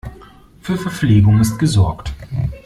Für Verpflegung ist gesorgt.